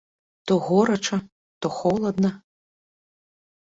То горача, то холадна.